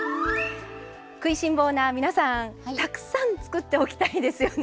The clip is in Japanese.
食いしん坊な皆さんたくさん作っておきたいですよね。